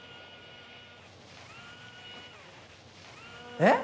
えっ？